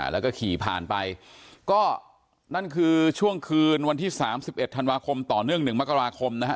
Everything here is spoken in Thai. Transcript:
แล้วก็ขี่ผ่านไปก็นั่นคือช่วงคืนวันที่๓๑ธันวาคมต่อเนื่อง๑มกราคมนะฮะ